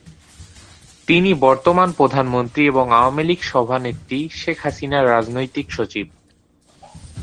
তিনি বর্তমান প্রধানমন্ত্রী এবং আওয়ামী লীগ সভানেত্রী শেখ হাসিনার রাজনৈতিক সচিব।